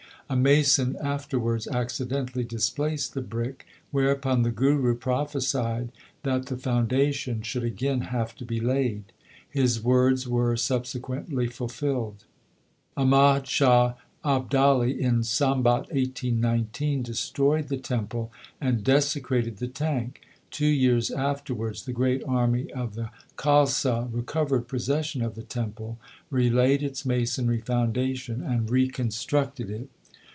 A mason afterwards accidentally displaced the brick, whereupon the Guru prophesied that the foundation should again have to be laid. His words were sub sequently fulfilled. Ahmad Shah Abdali, in Sambat 1819, destroyed the temple and desecrated the tank. Two years afterwards the great army of the Khalsa recovered possession of the temple, relaid its masonry foundation, and reconstructed it.